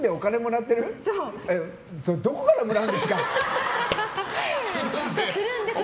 どこからもらうんですか？